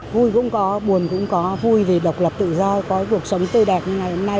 vui cũng có buồn cũng có vui vì độc lập tự do có cuộc sống tươi đẹp như ngày hôm nay